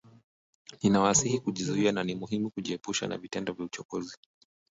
Ninawasihi kujizuia na ni muhimu kujiepusha na vitendo vya uchokozi